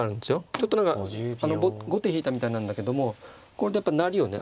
ちょっと後手引いたみたいなんだけどもこれでやっぱ成りをね